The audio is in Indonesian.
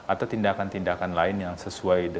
atau tindakan tindakan lain yang sesuai